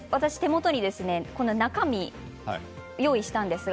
私、手元に中身を用意したんです。